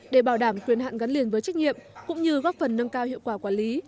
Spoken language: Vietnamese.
để bảo đảm quyền hạn gắn liền với trách nhiệm cũng như góp phần nâng cao hiệu quả quản lý